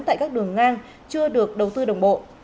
tại các đường ngang chưa được đầu tư đồng bộ